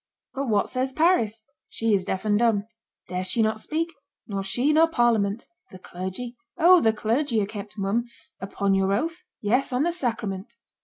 "But what says Paris?" "She is deaf and dumb." "Dares she not speak?" "Nor she, nor parliament." "The clergy?" "O! the clergy are kept mum." "Upon your oath?" "Yes, on the sacrament."